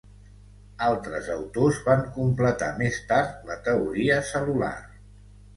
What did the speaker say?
Altres autors van completar més tard la teoria cel·lular.